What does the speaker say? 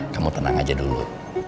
kamu tenang aja dulu